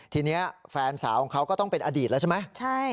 ทีนี้แฟนสาวของเขาก็ต้องเป็นอดีตแล้วใช่ไหม